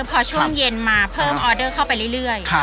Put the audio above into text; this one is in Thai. พอช่วงเย็นมาเพิ่มออเดอร์เข้าไปเรื่อย